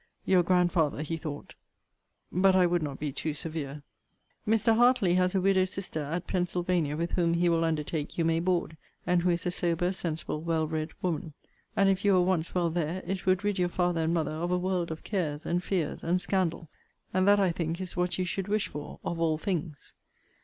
Your grandfather, he thought But I would not be too severe. Mr. Hartley has a widow sister at Pensylvania, with whom he will undertake you may board, and who is a sober, sensible, well read woman. And if you were once well there, it would rid your father and mother of a world of cares, and fears, and scandal; and that I think is what you should wish for of all things.